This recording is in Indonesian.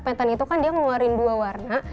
penton itu kan dia ngeluarin dua warna